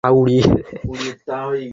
তোমরা যাও, আমি আসছি।